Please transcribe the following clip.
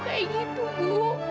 kayak gitu bu